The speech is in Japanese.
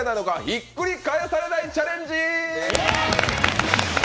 ひっくり返されないチャレンジ！